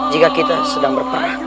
jika kita sedang berperang